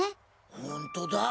ほんとだ。